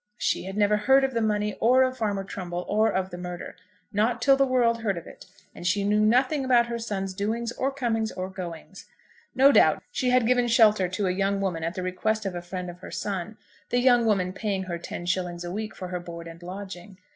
She had never heard of the money, or of Farmer Trumbull, or of the murder, not till the world heard of it, and she knew nothing about her son's doings or comings or goings. No doubt she had given shelter to a young woman at the request of a friend of her son, the young woman paying her ten shillings a week for her board and lodging.